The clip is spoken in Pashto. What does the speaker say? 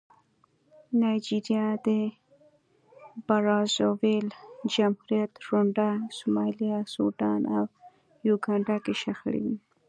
نایجریا، د برازاویل جمهوریت، رونډا، سومالیا، سوډان او یوګانډا کې شخړې وې.